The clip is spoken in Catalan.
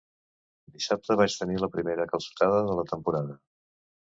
Dissabte vaig tenir la primera calçotada de la temporada.